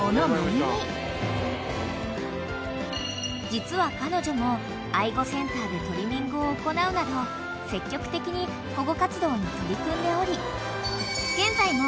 ［実は彼女も愛護センターでトリミングを行うなど積極的に保護活動に取り組んでおり現在も］